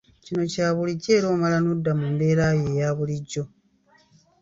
Kino kya bulijjo era omala n'odda mu mbeera yo eya bulijjo.